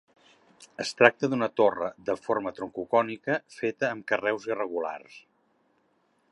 Es tracta d'una torre de forma troncocònica feta amb carreus irregulars.